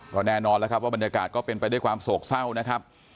ก็แน่นอนแล้วครับว่าบรรยากาศก็เป็นไปด้วยความโศกเศร้านะครับ